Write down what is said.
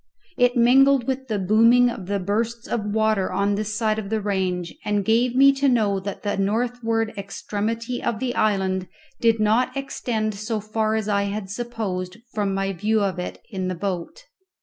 It mingled with the booming of the bursts of water on this side the range, and gave me to know that the northward extremity of the island did not extend so far as I had supposed from my view of it in the boat.